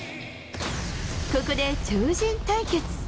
ここで超人対決。